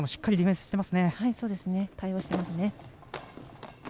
対応していますね。